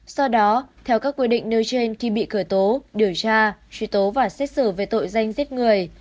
do đó theo các quy định nơi trên khi bị cởi tố điều tra truy tố và xét xử về tội danh giết người